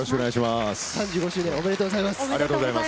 ３５周年、おめでとうございます。